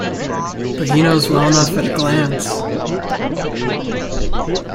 But he knows well enough at a glance.